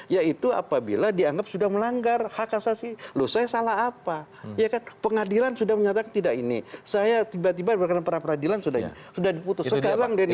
ya itu apabila dianggap sudah melanggar hak asasi loh saya salah apa ya kan pengadilan sudah menyatakan tidak ini saya tiba tiba berkenaan peradilan sudah diputus sekarang dan ini